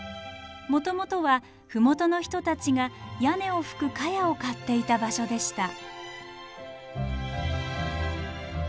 もともとは麓の人たちが屋根を葺く茅を刈っていた場所でした。